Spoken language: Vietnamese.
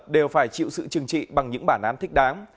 đều phải chịu sự trừng trị bằng những bản án thích đáng